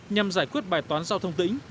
nhằm giải quyết bài toán giao thông tỉnh